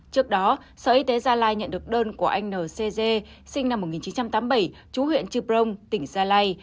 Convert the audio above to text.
trước đó sở y tế gia lai nhận được đơn của anh n c g sinh năm một nghìn chín trăm tám mươi bảy chú huyện trư brông tỉnh gia lai